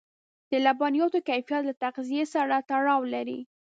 د لبنیاتو کیفیت له تغذيې سره تړاو لري.